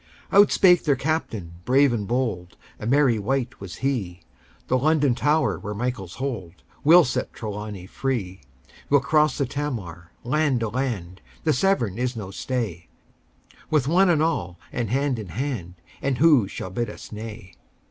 Out spake their Captain brave and bold: A merry wight was he: Though London Tower were Michael's hold, We'll set Trelawny free! We'll cross the Tamar, land to land: The Severn is no stay: With "one and all," and hand in hand; And who shall bid us nay?